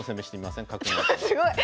すごい！